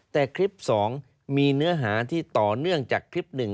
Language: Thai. แต่คลิปสองมีเนื้อหาที่ต่อเนื่องจากคลิปหนึ่ง